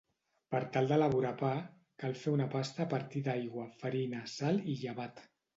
Per tal d'elaborar pa cal fer una pasta a partir d'aigua, farina, sal i llevat.